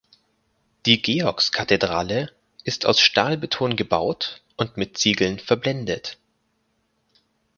Die Georgskathedrale ist aus Stahlbeton gebaut und mit Ziegeln verblendet.